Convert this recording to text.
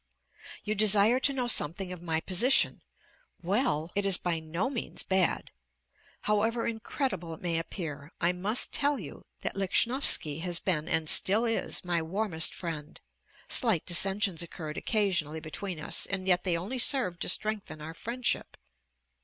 You desire to know something of my position: well! it is by no means bad. However incredible it may appear, I must tell you that Lichnowsky has been, and still is, my warmest friend (slight dissensions occurred occasionally between us, and yet they only served to strengthen our friendship).